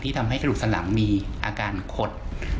ที่ทำให้กระดูกสลังมีอาการขด